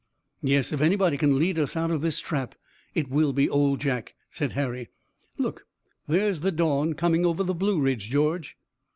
"Yes, if anybody can lead us out of this trap it will be Old Jack," said Harry. "Look, there's the dawn coming over the Blue Ridge, George."